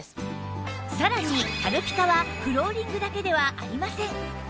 さらに軽ピカはフローリングだけではありません